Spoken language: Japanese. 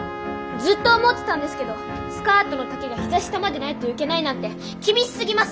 ずっと思ってたんですけどスカートの丈が膝下までないといけないなんて厳しすぎます！